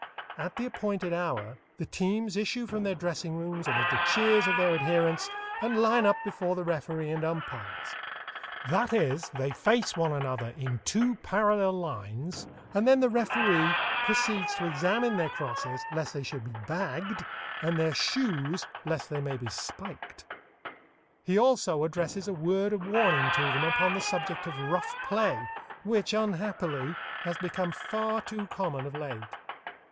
At the appointed hour the teams issue from their dressing rooms amid the cheers of their adherents and line up before the referee and umpires. That is, they face one another in two parallel lines, and then the referee proceeds to examine their crosses lest they should be "bagged," and their shoes lest they may be spiked. He also addresses a word of warning to them upon the subject of rough play, which, unhappily, has become far too common of late.